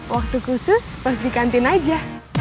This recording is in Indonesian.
waktu khusus pas di kantin aja